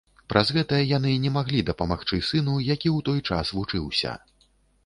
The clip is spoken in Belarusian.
Праз гэта яны не маглі дапамагчы сыну, які ў той час вучыўся.